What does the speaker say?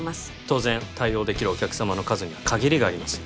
当然対応できるお客様の数には限りがあります